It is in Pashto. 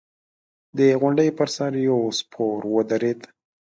د غونډۍ پر سر يو سپور ودرېد.